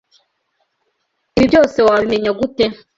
Ibi byose wabimenya ute?